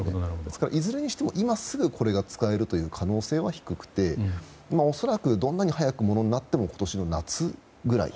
いずれにしても今すぐこれが使える可能性は低くて恐らく、どんなに早くても今年の夏ぐらい。